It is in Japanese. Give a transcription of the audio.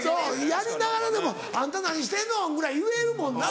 やりながらでも「あんた何してんの」ぐらい言えるもんな。